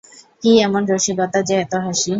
কী এমন রসিকতা যে এত হাসি!